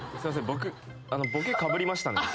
僕ボケかぶりましたね